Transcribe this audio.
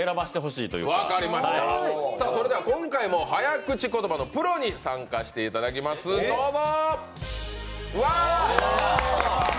今回も早口言葉のプロに参加していただきます、どうぞ。